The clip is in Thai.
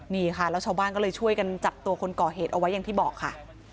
นี่ค่ะแล้วชาวบ้านก็เลยช่วยกันจับตัวคนก่อเหตุเอาไว้อย่างที่บอกค่ะ